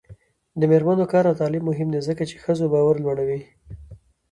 د میرمنو کار او تعلیم مهم دی ځکه چې ښځو باور لوړوي.